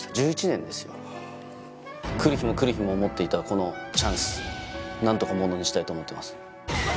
１１年ですよ来る日も来る日も思っていたこのチャンス何とかモノにしたいと思ってます